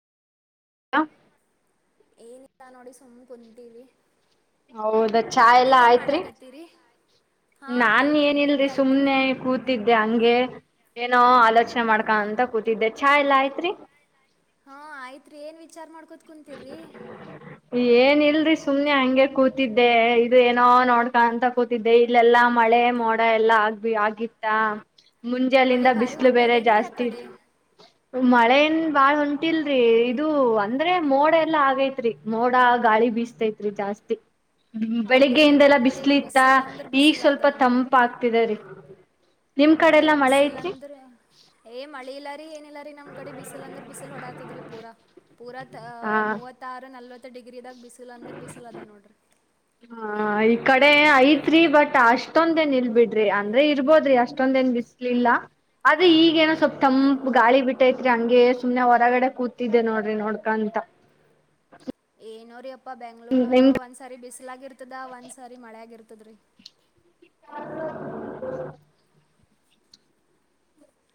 ಹ ಏನಿಲ್ಲ ನೋಡಿ ಸುಮ್ ಕುಂತೀವಿ ಹೌದ ಚಾ ಎಲ್ಲಾ ನೀವೇನ್ ಆಯ್ತ್ರಿ ಮಾಡಾಕತ್ತೀರಿ ಹಾ ನಾನ್ ಆಯ್ತ್ರಿ ಏನಿಲ್ರಿ ನಿಮ್ದ್ ಆಯ್ತ್ರಿ ಸುಮ್ನೆ ಕೂತಿದ್ದೆ ಹಂಗೆ ನ ಆಲೋಚನೆ ಮಾಡ್ಕ ಅಂತ ಕೂತಿದ್ದೆ ಚಾ ಎಲ್ಲಾ ಆಯ್ತ್ರಿ ಹಾ ಆಯ್ತ್ರಿ ಏನ್ ವಿಚಾರ ಮಾಡ್ಕೊತ್ ಕುಂತರಿ ಏನ್ ಇಲ್ರಿ ಸುಮ್ನೆ ಹಂಗೆ ಕೂತಿದ್ದೆ ಇದು ಏನೋ ನೋಡ್ಕ ಅಂತ ಕೂತಿದ್ದೆ ಇಲ್ಲೆಲ್ಲಾ ಮಾಡ ಮಳೆ ಮೋಡ ಎಲ್ಲಾ ಆಗ್ಬ ಆಗಿತ್ತ ಮಳಿ ಮುಂಜೆಯಲ್ಲಿದ ಭಾರಿ ಬಿಸಿಲು ಬೇರೆ ಹೊಂಟದೇನ್ರಿ ಆ ಜಾಸ್ತಿ ಕಡೆ ಇತ್ತು ಮಳೆಯಿಂದ ಬಾಳ್ ಹೊಂಟಿಲ್ರರಿ ಇದು ಅಂದ್ರೆ ಮೋಡ ಎಲ್ಲಾ ಆಗೈತ್ರಿ ಮೋಡ ಗಾಳಿ ಬೀಸ್ತೈತ್ರಿ ಜಾಸ್ತಿ ಹೌದೇನ್ರಿ ನಮ್ ಬೆಳಿಗ್ಗೆಯಿಂದೆಲ್ಲಾ ಕಡೆರ ಬಿಸ್ಲಿ ಇತ್ತ ಬಿಸಿಲ್ ಅಂದ್ರ ಈಗ ಬಿಸಿಲ್ ಅದ ಸ್ವಲ್ಪ ನೋಡ್ರಿ ತಂಪ ಆಗ್ತಿದೆ್ರೀ ನಮ್ ಕಡಾರ ಬಿಸಿಲ್ಲ ಅಂದ್ರೆ ಏ್ ಮಳಿ ಇಲ್ಲಾರಿ ಏನಿಲ್ಲಾರ ನಮ್ ಕಡೆ ಬಿಸಿಲ್ ಅಂದ್ರ ಬಿಸಿಲು ಹೊಡಾತದ್ರೀ ಪೂರ ಪೂರತ್ ಮೂವತ್ತಾರು ನಲ್ವತ್ತು ಡಿಗ್ರಿದಾಗ ಬಿಸಿಲ್ ಅಂದ್ರ ಬಿಸಿಲ್ ಅದ ನೋಡ್ರಿ ಹಾ ಈ ಅಡೆ ಐತ್ರಿ ಬಟ್ ಅಷ್ಟೊಂದ ಏನ್ ಇಲ್ ಬಿಡ್ರಿ ಅಂದ್ರೆ ಇರ್ಬೋದ್ರಿ ಅಷ್ಟೊಂದ ಏನ್ ಬಿಸ್ಲಿಲ್ಲ ಅದೇ ಈಗೇಏನೋ ಸ್ವಲ್ಪ್ ಅನ್ ತಂಪ್ ಗಾಳಿ ಬಿಟ್ಟೈ ಹಂಗೆ ಸುಮ್ನೆ ಹೊರಗಡೆ ಕೂತಿದ್ದೆ ನೋಡ್ರಿ ನೋಡ್ಕಂತ ಏನೋರೀ ಅಪ್ಪಾ ಬೆಂಗ್ರು ನಿಮ್ ಒಂದ್ಸಾರಿ ಬಿಸಲಾಗಿರ್ತದ ಒಂದ್ಸಾರಿ ಮಳೆ ಆಗರ್ತದ್ರೀ